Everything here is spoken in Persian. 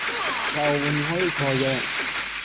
تعاونیهای کارگران